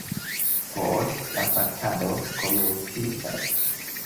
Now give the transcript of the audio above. Poste la batalo komenciĝas.